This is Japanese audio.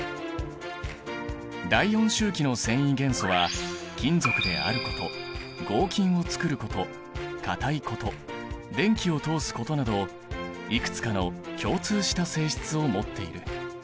第４周期の遷移元素は金属であること合金をつくることかたいこと電気を通すことなどいくつかの共通した性質を持っている。